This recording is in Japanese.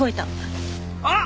あっ！